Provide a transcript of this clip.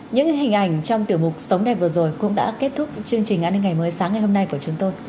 những hình ảnh trong tiểu mục sống đẹp vừa rồi cũng đã kết thúc chương trình an ninh ngày mới sáng ngày hôm nay của chúng tôi